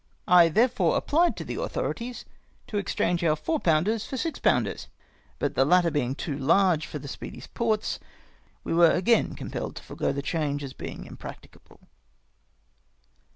I therefore apphed to the authorities to exchange our 4 pounders for 6 pounders, but the latter being too large for the Speedy' s ports, we were again compelled to forego the change as impracticable.